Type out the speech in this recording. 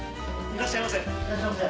いらっしゃいませ。